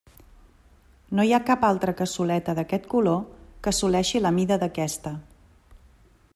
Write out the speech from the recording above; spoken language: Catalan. No hi ha cap altra cassoleta d'aquest color que assoleixi la mida d'aquesta.